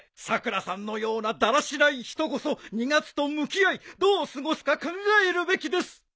さくらさんのようなだらしない人こそ２月と向き合いどう過ごすか考えるべきです。